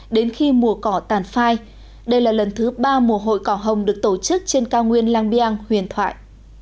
đến khi mùa cỏ tàn phai đây là lần thứ ba mùa hội cỏ hồng được tổ chức trên cao nguyên lang biang huyền thoại